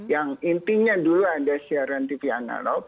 yang intinya dulu ada siaran tv analog